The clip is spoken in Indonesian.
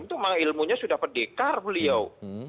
itu memang ilmunya sudah pendekar beliau